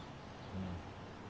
うん。